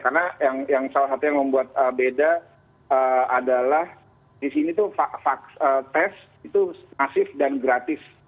karena yang salah satunya membuat beda adalah disini tuh tes itu masif dan gratis